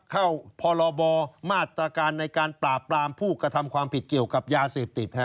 พรบมาตรการในการปราบปรามผู้กระทำความผิดเกี่ยวกับยาเสพติด